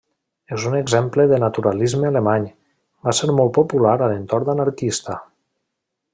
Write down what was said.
És un exemple de naturalisme alemany, va ser molt popular a l'entorn anarquista.